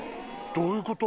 どういうこと？